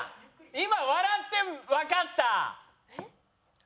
今笑ってわかった。